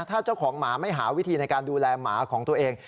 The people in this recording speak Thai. ถ้าเจ้าของหมาไม่หาวิธีในการดูแลหมาของตัวเอง